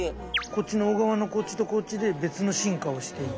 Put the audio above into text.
こっちの小川のこっちとこっちで別の進化をしていて。